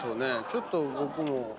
ちょっと僕も。